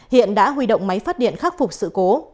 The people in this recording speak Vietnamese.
hiện đã huy động máy phát điện khắc phục sự cố